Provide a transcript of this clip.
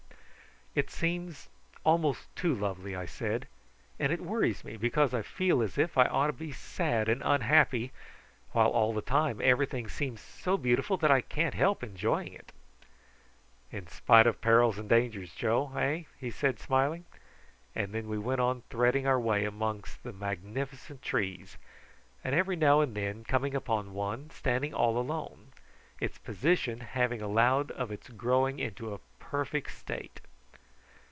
"It seems, almost too lovely," I said; "and it worries me because I feel as if I ought to be sad and unhappy, while all the time everything seems so beautiful that I can't help enjoying it." "In spite of perils and dangers, Joe, eh?" he said smiling; and then we went on threading our way amongst the magnificent trees, and every now and then coming upon one standing all alone, its position having allowed of its growing into a perfect state.